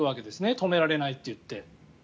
止められないと言って。